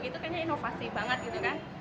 itu kayaknya inovasi banget gitu kan